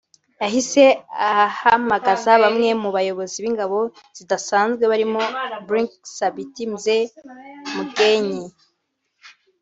yahise ahamagaza bamwe mu bayobozi b’ingabo zidasanzwe barimo Brig Sabiti Mzee Mugyenyi